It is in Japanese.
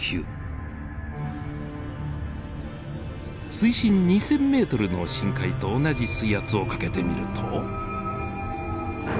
水深２，０００ｍの深海と同じ水圧をかけてみると。